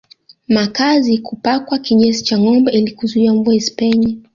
Makazi kupakwa kinyesi cha ngombe ili kuzuia mvua isipenye